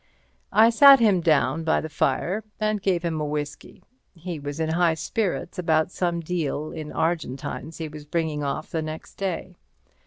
I sat him down by the fire, and gave him a whisky. He was in high spirits about some deal in Argentines he was bringing off the next day.